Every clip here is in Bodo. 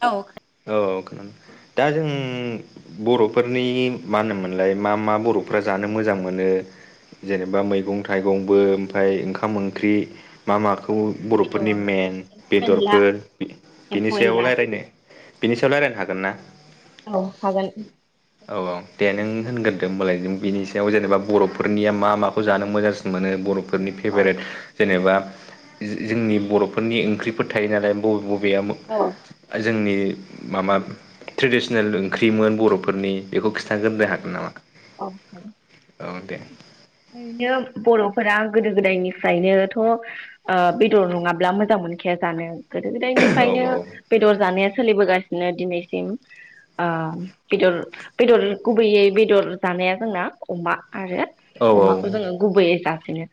औ औ खोनादों दा जों बर'फोरनि मा होनोमोनलाय मा मा बर'फोरा जानो मोजां मोनो। जेनेबा मैगं थाइगंबो ओमफ्राय ओंखाम ओंख्रि। मा माखौ बर'फोरनि मेन बेदरफोर बेनि सो बिनि सायाव रायज्लायनो हागोन ना? औ हागोन। औ औ दे नों होनग्रोदो होमबालाय नों बिनि सायाव जेनेबा बर'फोरनिया मा माखौ जानो मोजांसिन। मोनो बर'फोरनि फेभेरेट। जेनेबा जोंनि बर'फोरनि ओंख्रिफोर थायो नालाय बबे बबेया, औ जोंनि माबा ट्रेडिसनेल ओंख्रिमोन बर'फोरनि, बेखौ औ खिन्थागोरनो हागोन नामा? औ औ दे। ओरैनो बर'फोरा गोदो गोदायनिफ्रायनोथ'। ओ बेदर नङाब्ला मोजां मोनखाया जानो गोदो औ गोदायनिफ्रायनो। बेदर जानाया सोलिबोगासिनो दिनैसिम ओ बेदर बेदर गुबैयै बेदर जानाया जोंना अमा आरो औ अमाखौ जोङो गुबैयै जासिनो।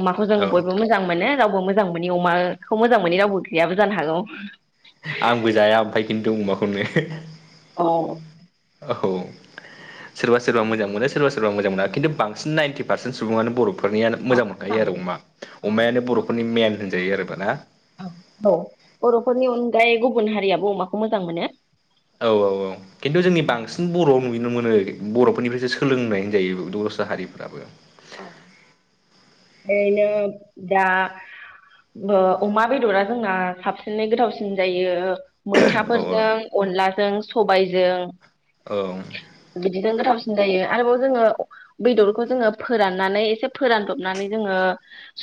अमाखौ जों औ बयबो मोजां मोनो रावबो मोजां मोनि अमाखौ मोजां मोनि रावबो गैयाबो जानो हागौ। आंबो जाया ओमफ्राय खिन्थु अमाखौनो। अ औ सोरबा सोरबा मोजां मोनो सोरबा सोरबा मोजां मोना खिन्थु बांसिन नाइनटि पारसेन सुबुङानो बर'फोर फोरनियानो मोजां मोनखायो आरो अमा अमायानो बर'फोरनि मेन होनजायो आरोबोना। औ बर'फोरनि अनगायै गुबुन हारियाबो अमाखौ मोजां मोनो। औ औ औ खिन्थु जोंनि बांसिन बर'आव नुनो मोनो बर'फोरनिफ्रायसो सोलोंनाय होनजायो द'स्रा हारिफोराबो। [inaudible] बेनो दा। ओ अमा बेदरा जोंना साबसिनै गोथावसिन जायो। औ मैथाफोरजों अनलाजों सबायजों। औ बिदिजों गोथावसिन जायो आरोबाव जोङो बेदरखौ जोङो। फोराननानै एसे फोरानदबनानै जोङो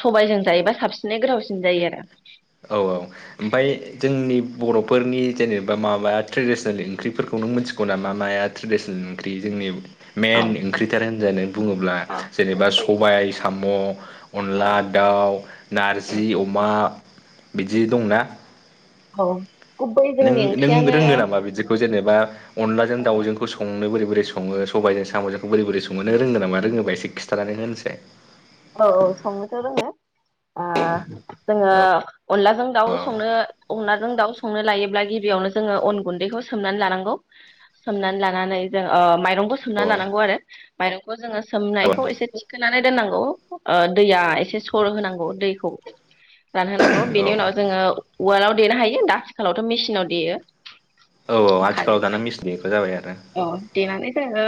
सबायजों जायोबा साबसिनै गोथावसिन जायो आरो औ औ ओमफाय जोंनि बर'फोरनि जेनेबा माबा ट्रेडिसनेल ओंख्रिफोरखौ नों मिथि गुना मा माया ट्रेडिसनेल ओंख्रि जोंनि मेन आरो औ ओंख्रिथार होननानै बुङोब्ला औ जेनेबा गुबै सबाय ओंख्रिया साम बे औ अनला दाउ उम नारजि अमा। बिदि दंना? औ गुबै नों जोंनि नों ओंख्रियानो रोंगो नामा बिदिखौ जेनेबा अनलाजों औ दावजोंखौ स संनो बोरै बोरै सङो सबायजों साम'जोंखौ बोरै बोरै सङो नो रोंगो नामा रोङोबा एसे खिथानानै होनायसाय औ औ संनोथ' रोङो ओ जोङो औ अनलाजों दाउ संनो अनलाजों दाउ संनो लायोब्ला गिबियावनो जोङो अन गुन्दैखौ सोमनानै लानांगौ। सोमनानै लानानै जों ओ माइरंबो, थुना औ लानांगौ आरो माइरंखौबो जोङो औ सोमनायखौ एसे थिखोनानै दोननांगौ। दैया एसे सर होनांगौ दैखौ रानहोनांगौ औ बेनि उनाव जोङो। उवालाव देनो हायो दा आथिखालावथ' मेसिनाव देयो। औ औ आथिखालाव दाना मिसिनजोंबो जाबाय आरो अ देनानै जोङो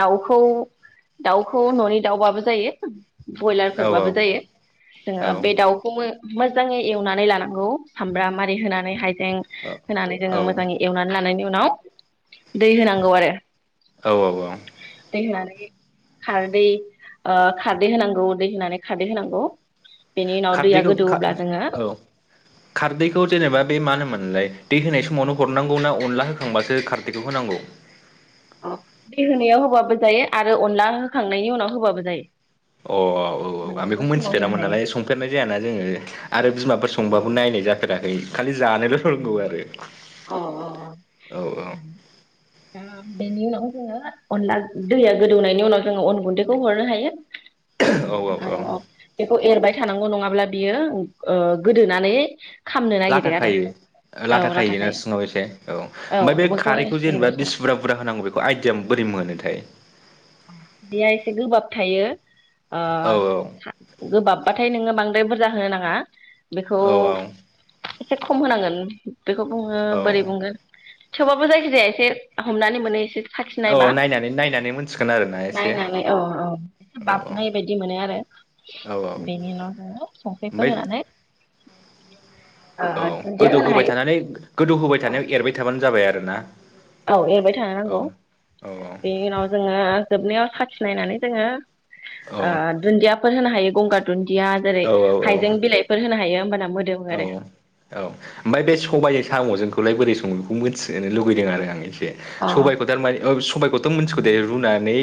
दाउखौ दाउखौ न'नि दाउबाबो जायो। औ बयलारफोरबाबो औ जायो औ जोङो बे दाउखौमो मोजाङै एवनानै लानांगौ सामब्राम आरि होनानै हाइजें औ होनानै औ जोङो मोजाङै एवनानै लानायनि उनाव दै होनांगौ आरो औ औ अ दैे होनानै खारदै ओ खारदै होनांगौ दै होनानै खारदै होनांगौ। बेनि उनाव दैया खारदैखौ खा गोदौवोब्ला जोङो [inaudible] खारदैखौ जेनेबा बे मा होनोमोनलाय दै होनाय समावनो हरनांगौ ना अनला होखांबासो खारदैखौ होनांगौ? अ दै होनायाव होबाबो जायो आरो अनला होखांनायनि उनाव होबाबो जायो। अ औ औ औ आं मोननैबो बेखौ समाव होनो मोनथिफेरामोन हायो। नालाय संफेरनाय जायाना जोङो आरो बिमाफोर संबाबो नायनाय जाफेराखै खालि जानोल' रोंगौ आरो अ अ अ औ ओं दा बेनि उनाव जोङो अनला दैया गोदौनायनि उनाव जोङो अन गुन्दैखौ हरनो हायो। औ ओ औ अ बेखौ एरबाय थानांगौ नङाब्ला बियो ओ गोदोनानै खामनो लाथा नागिरो आरो खायो। ओ लाथा औ खायोना खायो सिङाव एसे औ ओमफाय बे बेखौ खारैखौ एसे जेनेबा एरबाय बेसे थानांगौ बुरजा बुरजा होनांगौ बेख खौ आयदिया बोरै मोनोथाय अ खारदैया एसे गोबाब थायो ओ औ खा गोबाबबाथाय नोङो बांद्राय बुरजा होनो नाङा बेखौ औ एसे खम होनांगोन बेखौ बुङो औ बोरै बुंगोन थेवबाबो जायखिजाया एसे हमनानै मोनो एसे औ साखिनायबा नायनानै नायनानै मोन नायनानै औ औ औ बाबनाय बायदि मोनो आरो औ औ बेनि उनाव जोङो ओमफ्राय संख्रिफोर होनानै ओ औ दुन्दिया गोदौ होनो होबाय हायो थानानै गोदौ होबाय थानायाव एरबाय थाबानो जाबाय आरोना औ एरबाय थानो औ नांगौ औ बेनि उनाव जोङो जोबनायाव साखि नायनानै जोङो ओ औ दुन्दियाफोर होनो हायो गंगार दुन्दिया जेरै औ औ औ हाइजें बिलाइफोर होनो हायो होमबाना मो औ अ औ ओमफाय बे सबाय साम'जोंखौलाय बोरै सङो बेखौ मोनथिजानो लुगैदों आरो आं एसे सबायखौ टारमाने ओ सबायखौथ' मोनथिगो दे रुनानै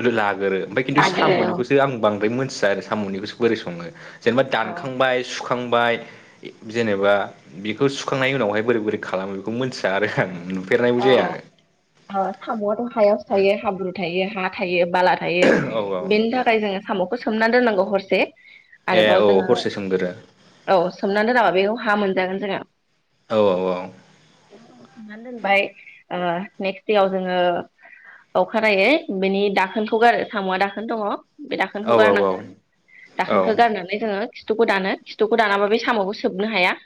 बोलो लाग्रो ओमफाय खिन्थु आरो जानो साम'निखौसो आं बांद्राय मोनथिया आरो साम'निखौसो बोरै सङो जेनेबा दानखांबाय सुख खांबाय जेनेबा बेखौ सुखांनायनि उनावहाय बोरै बोरै खालामो बेखौ मिथिया आरो आं नुफेरनायबो जाया औ-औ साम'आथ' हायावसो थायो हाब्रु थायो हा थायो बाला थायो औ औ बेनि थाखाय जोङो साम'खौ सोमना दोननांगौ हरसे ए आरोबाव औ जोङो हरसे सोमगोरो औ सोमनानै दोनाबा बेखौ हा मोनजागोन जोङो औ औ औ सोमनानै दोनबाय नेक्स देआव जोङो अखानायै बेनि दाखोनखौ गारो साम'आ दाखोन दङ। बे औ दाखोनखौ गारनांगोन औ दाखोनखौ गारनानै जोङो खिथुखौ दानो खिथुखौ दानाबा बे साम'खौ सोबनो हाया।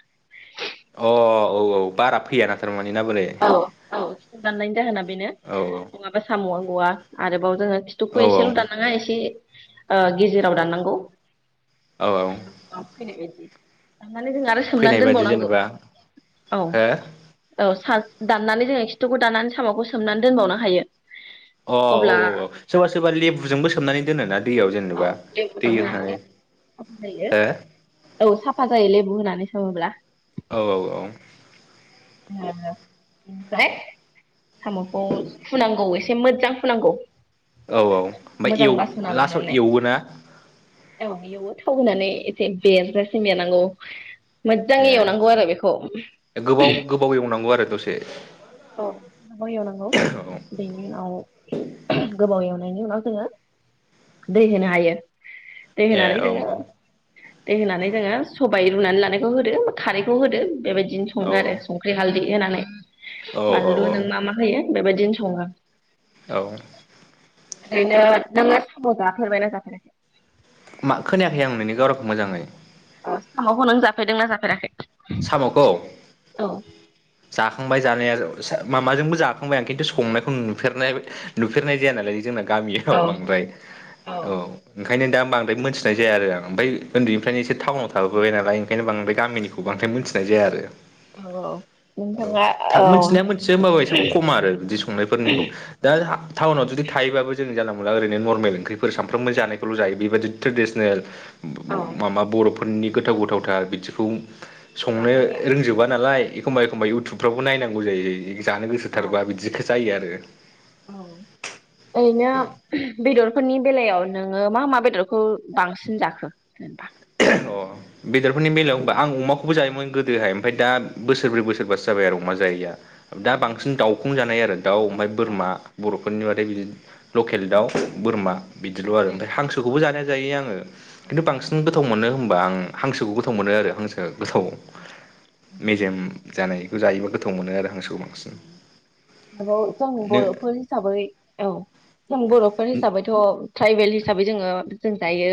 अ' औ औ बारा फैयाना थारमाने ना बोरै औ औ खिथु दाननायनि जाहोना बेनो औ नङाबा साम'आ गवा आरोबाव जोङो खि थुखौ औ औ एसेल' दाननाङा एसे ओ गेजेराव दाननांगौ। औ औ औ औ फैनाय बायदि दाननानै जोङो आरो सोमनानै फैनाय बादि दोनबावनांगौ जेनेबा अ हो अ औ औ सार दाननानै जोङो खिथुखौ दाननानै साम'खौ सोमनानै दोनबावनो हायो। अ औ अब्ला औ औ ओ सोरबा सोरबा लेबुजोंबो सोमनानै दोनोना दैयाव औ जेनेबा दै लेबुजों होनानै साफा जायो हो औ साफा जायो लेबु होनानै सोङोब्ला औ औ औ [inaudible] साम'खौ फुनांगौ एसे मोजां फुनांगौ। औ औ ओमफ्राय मोजां बासना लास्टआव लानानै एवोना? औ एवबो थाव होनानै एसे बेरजासे मेनांगौ। मोजाङै ए एवनांगौ आरो बेखौ। गोबाव गोबाव एवनांगौ आरो दसे। औ गोबाव एवनांगौ औ बेनो उनाव गोबाव एवनायनि उनाव जोङो दै होनो हायो। दै ए होनानै औ जोङो दै होनानै जोङो सबाय रुनानै लानायखौ होदो खारखौ होदो बेबायदिनो सङो औ आरो संख्रि हालदै होनानै औ बानलु नों औ मा मा होयो बेबायदिनो सङो। औ ओरैनो नोङो साम' जाफेरबायना जाफेराखै? मा खोनायाखै आं नोंनि गारांखौ मोजाङै? अ सामखौ नों जाफेरदों ना जाफेराखै? साम'खौ औ जाखांबाय जानाया माबाजोंबो जाखांबाय आं खिन्थु संनायखौ नुफेरनाय नुफेरनाय जाया नालाय जोंना औ गामियाव बांद्राय औ। ओंखायनो दा बांद्राय मिथिनाय जाया आरो आं ओमफ्राय उन्दनिफ्रायनो एसे टाउनाव थाबोबाय नालाय ओंखायनो बांद्राय गामिनिखौ बांद्राय मिथिनाय जाया आरो। औ नोंथाङा औ मोनथिनाया मोनथियो होनोमबाबो एसे खम आरो बिदि संनायफोरनिखौ दा टाउनाव जुदि थायोबाबो जोंनि जानला मोनला ओरैनो नरमेल ओंख्रिफोर सानफ्रोमबो जानायखौल' जायो बेबायदि ट्रेडिसनेल औ माबा बर'फोरनि गोथाव गोथावथार बिदिखौ संनो जानाय जाया रोंजोबा नालाय एखमबा एखमबा इउटुबफ्रावबो नायनांगौ जायो जानो औ गोसोथारबा बिदि। जायो आरो। [inaudible] औ [inaudible] बेदरफोरनि बेलायाव नोङो मा मा बेदरखौ बांसिन जाखो जेनबा? अ' बेदरफोरनि बेलायाव होनबा आं अमाखौबो जायोमोन गोदोहाय ओमफ्राय दा बोसोरब्रै बोसोरबासो जाबाय आरो अमा जायैया। दा बांसिन दाउखौ जानाय आरो दाउ ओमफ्राय बोरमा बर'फोरनि बादै बिदिनो लकेल दाउ बोरमा बिदिल' आरो ओमफ्राय हांसोखौबो जानाया जायो आङो खिन्थु बांसिन बोरमा गोथाव मोनो होमबा आं हांसोखौ गोथाव मोनो आरो हांसोआ गोथाव मेजेम जानाय जायोबा गोथाव मोनो आरो हांसोखौ बांसिन आरो जों बरफोर हिसाबै औ जों बरफोर हिसाबैथ ट्राइबेल हिसाबै जोङो जों जायो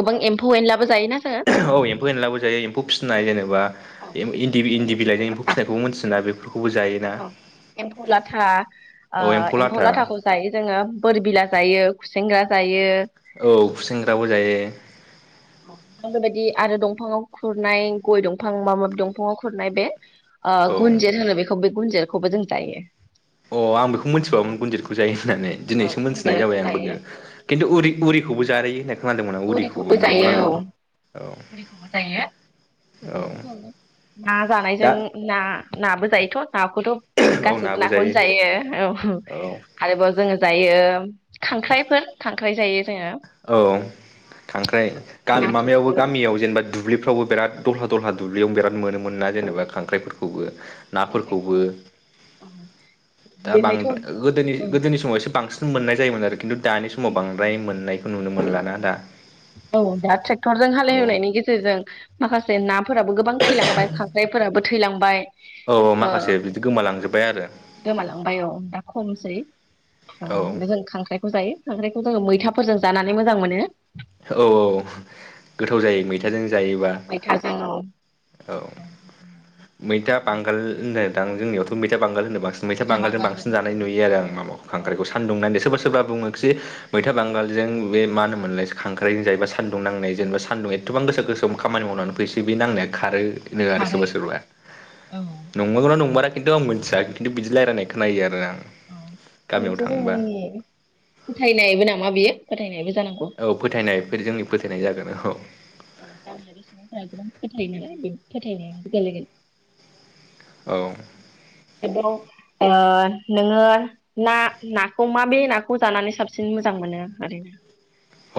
गोबां एफौ एनलाबो जायोना जोङो? औ एम्फौ एनलाबो जायो एम्फौ फिनाय जेनेबा औ इन इन्दि इन्दि बिलाइजों एम्फौ फिसिनायखौबो मोन्थियोना बेफोरखौबो जायो। औ एम्फौ लाथा ओ औ एम्फौ लाथा लाथाखौ जायो जोङो बोर बिला जायो, खुसेंग्रा जायो, औ खुसेंग्राबो जायो। बेबायदि आरो दंफाङाव खुरनाय गय दंफां माबा माबि दंफाङाव खुरनाय बे ओ औ अ गुनजेर होनो बेखौ बे गुनजेरखौबो जों जायो। अ आं बेखौ मोनथिफेरामोन गुनजेदखौ जायो होननानै औ दिनैसो मिथिनाय गुनजेतखौ जाबाय आं जायो गु‌नजेद खिन्थुर उरि उरिखौबो जायो होननाय खोनादोंमोन आं उरिखौबो जायो नंगौना औ नङा औ उरिखौबो जायो औ [unintelligible] ना जानायजों दा ना नाबो जायोथ नाखौथ औ गासैबो नाबो नाखौनो जायो औ औ आरोबाव जोङो जायो खांख्राइफोर खांख्राइ जायो जोङो। औ खांख्राइ गा माबायावबो नाथुरफोर गामियाव जेनेबा दुब्लिफ्रावबो बिराद दलहा दलहा दुब्लियाव बिराद मोनोमोन ना जेनेबा खांख्राइफोरखौबो खांख्राइखौ नाफोरखौबो दा गोदोहायथ' बांद्रा गोदो गोदोनि समाव एसे बांसिन मोननाय जायोमोन आरो खिन्थु दानि समाव बांद्राय मोननायखौ नुनो मोनलाना दा औ दा ट्रेक्टरजों औ हालेवनायनि गेजेरजों माखासे नाफोराबो गोबां थैलांबाय खांख्राइफोराबो थैलांबाय औ ओ माखासे बिदि गोमालांजोबबाय आरो गोमालांबाय औ दा खमसै ओ औ जों खांख्राय जायो खांख्राइखौ जोङो मैथाफोरजों जानानै मोजां मोनो औ औ गोथाव जायो मैथाजों जायोबा मैथाजों औ औ मैथा बांगाल होननाय दां जोंनियावथ मैथा बांगाल होनो बांसिन मैथा बांगालजों बांसिन जानाय नुयो आरो आं माबाखौ खांख्राइखौ सानदुंनानै सोरबा सोरबा बुङोखि मैथा बांगालजों बे मा होनो मोनलाय खांख्राइजों जायोबा सान्दुं नाय जेनेबा सानुं एथबां गोसा गोसोम खामानि मावनानै फैसै बे नांनाय खारो होनो आरो सोरबा सोरबा नंगौना नंमारा खिन्थु आं मोन्थिया खिन्थु बिदि रायलायनाय खोनायो आरो आं गामियाव मोनसे थांबा जोंनि फोथायनायबो नामा बियो फोथायनायबो जानांगौ औ फोथायनायफोर जोंनि फोथायनाय जागोन औ औ गामियारि सुबुंफोरा गोबां फोथायो नालाय बे फोथायनाया गोलैगोन औ [unintelligible] ओ नोङो ना नाखौ माबे नाखौ जानानै साबसिन मोजां मोनो ओरैनो?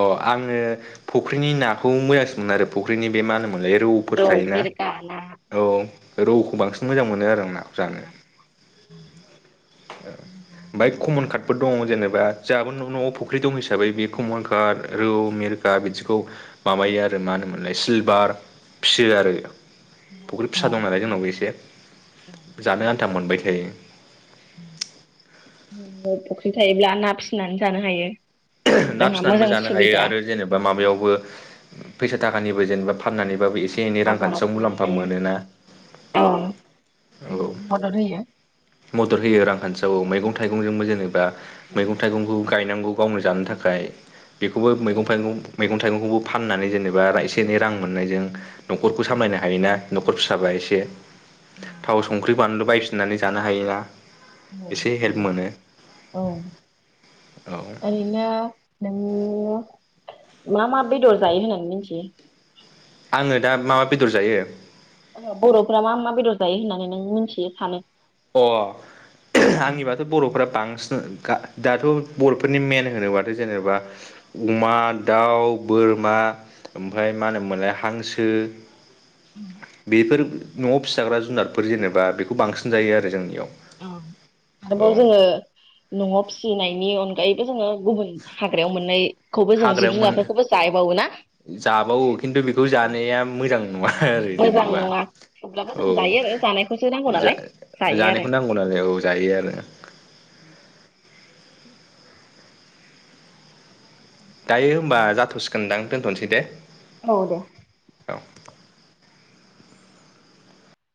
अ आङो फुख्रिनि नाखौ मोजांसोमोन आरो फुख्रिनि बे मा होनोमोनलाय रौ फोर थायोना मिरगा ना औ रौखौ बांसिन मोजां मोनो आरो आं ना रौ ना बाय कमन कार्डबो दंङ जेनेबा जोहाबो नआव फख ख्रि दं हिसाबै बे कमलकाट रौ मिरगा बिदिखौ माबायो आरो मा होनोमोनलाय सिलभार फियो आरो फुख्रि फिसा दं नालाय जोंनावबो एसे जानो आन्था मोनबाय थायो फुख्रि थायोब्ला ना फिसिनानै जानो हायो ना जोंहा फिसिनानैबो मोजां जानो हायो सुबिदा आरो जेनेबा माबायावबो फैसा थाखानिबो जेनेबा फाननानै फ्रावबो एसे एनै रांखान्थियाव मुलाम्फा मोनोना औ औ मदद होयो मदद होयो रांखान्थियावो मैगं थाइगंजोंबो जेनेबा मैगं थाइगंखौ गायनांगौ गावनो जानो थाखाय बेखौबो मैगं फाइगं मैगं थाइगंखौबो फाननानै जेनेबा एसे एनै रां मोननायजों न'खरखौ सामलायनो हायोना। न'खर फिसाबा एसे थाव संख्रि बानलु बायफिननानै जानो हायोना। औ एसे औ हेल्प मोनो औ औ ओरै नो नोङो मा मा बेदर जायो होननानै मिथियो? आङो दा मा बेदर जायो औ बरफोरा मा मा बेदर जायो होननानै नों मिथियो साननो अ आंनिबाथ बरफ्रा बांसिन गा दाथ बरफोरनि मेन होनोबाथाय जेनेबा अमा दाउ बोरमा ओमफाय मा होनोमोनलाय हांसो बेफोर न'आव फिसाग्रा जुनारफोर जेनेबा बेखौ बांसि जायो आरो जोंनियाव। औ औ आरोबाव जोङो न'आव फिसिनायनि अन गायैबो जोङो गुबुन हाग्रायाव मोननायखौबो जों हाग्रायाव जिब मोन जुनारफोरखौबो जाहैबावो ना? जाबावो खिन्थु बेखौ औ जानाया मोजां नङा आरो मोजां जेनेबा नङा थेवब्लाबो जों औ जायो आरो जानायखौसो नांगौ नालाय जायो आरो जा-जानायखौ नांग अनानै औ जायो आरो। दायो होमबा जाथ'सिगोनदां दोनथ'नोसै दे? औ दे। औ